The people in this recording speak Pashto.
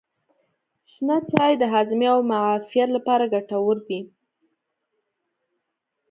شنه چای د هاضمې او معافیت لپاره ګټور دی.